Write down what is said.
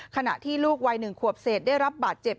ขณะที่ลูกวัย๑ขวบเศษได้รับบาดเจ็บ